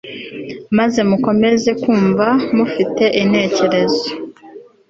maze mukomeze kumva mufite intekerezo